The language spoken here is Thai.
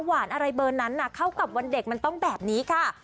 อะไรเบอร์นั้นเข้ากับวันเด็กมันต้องแบบนี้ค่ะ